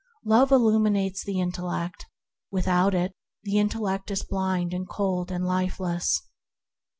Love illuminates the intellect; without it the intellect is blind and cold and lifeless.